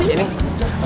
ini enak sih